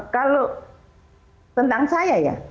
kalau tentang saya ya